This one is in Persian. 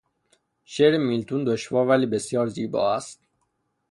شعر میلتون دشوار ولی بسیار زیبا است.